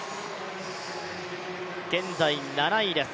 現在７位です。